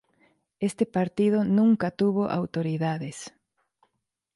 Este Partido nunca tuvo autoridades.